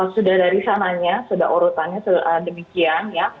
sudah dari sananya sudah urutannya demikian ya